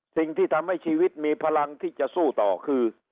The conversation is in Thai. สิ่งที่ทำให้ชีวิตมีพลังที่จะสู้ต่อคือ